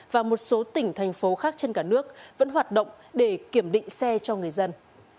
và một số tỉnh thành phố khác trên cả nước vẫn hoạt động để kiểm định xe cho người dân